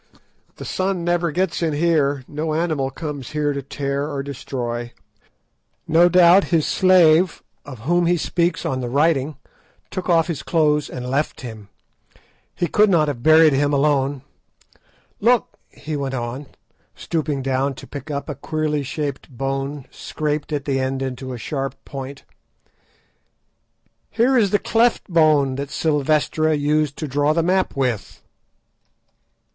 The sun never gets in here; no animal comes here to tear or destroy. No doubt his slave, of whom he speaks on the writing, took off his clothes and left him. He could not have buried him alone. Look!" he went on, stooping down to pick up a queerly shaped bone scraped at the end into a sharp point, "here is the 'cleft bone' that Silvestra used to draw the map with."